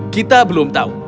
kita belum tahu